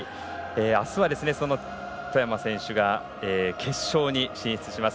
あすは、その外山選手が決勝に進出します。